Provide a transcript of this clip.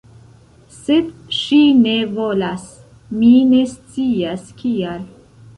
Sed ŝi ne volas; mi ne scias kial